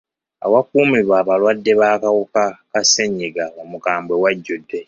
Awakumirwa abalwadde b'akawuka ka ssenyigga omukambwe wajudde.